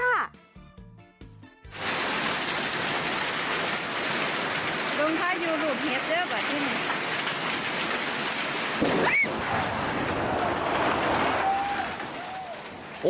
ลมพายุหลุมเห็บเยอะกว่าที่เหมือนสุด